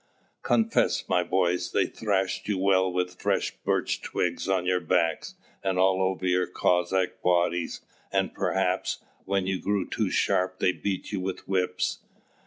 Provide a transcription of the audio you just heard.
"Confess, my boys, they thrashed you well with fresh birch twigs on your backs and all over your Cossack bodies; and perhaps, when you grew too sharp, they beat you with whips.